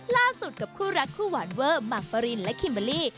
กับคู่รักคู่หวานเวอร์หมากปรินและคิมเบอร์รี่